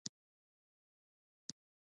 د حیرتان دښتې ریګي دي